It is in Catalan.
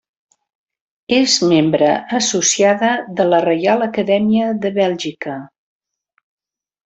És membre associada de la Reial Acadèmia de Bèlgica.